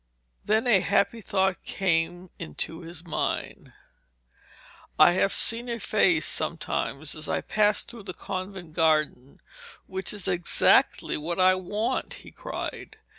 Then a happy thought came into his mind. 'I have seen a face sometimes as I passed through the convent garden which is exactly what I want,' he cried.